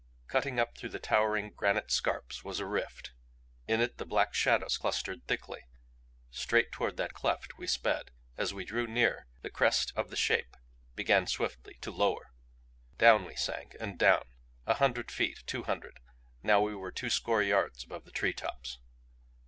Cutting up through the towering granite scarps was a rift. In it the black shadows clustered thickly. Straight toward that cleft we sped. As we drew near, the crest of the Shape began swiftly to lower. Down we sank and down a hundred feet, two hundred; now we were two score yards above the tree tops.